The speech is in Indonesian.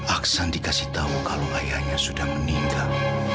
aksan dikasih tahu kalau ayahnya sudah meninggal